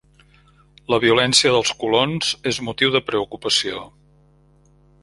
La violència dels colons és motiu de preocupació.